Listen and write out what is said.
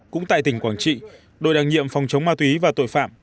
cũng tại tỉnh quảng trị đội đặc nhiệm phòng chống ma túy và tội phạm